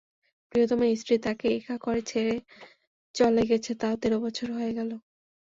প্রিয়তমা স্ত্রী তাঁকে একা করে চলে গেছে তাও তেরো বছর হয়ে গেল।